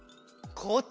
こっち？